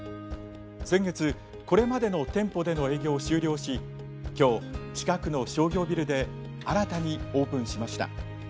先月これまでの店舗での営業を終了し今日近くの商業ビルで新たにオープンしました。